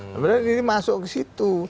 sebenarnya ini masuk ke situ